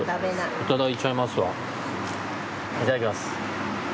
いただきます。